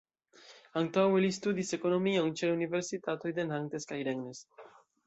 Antaŭe li studis ekonomion ĉe la universitatoj de Nantes kaj Rennes.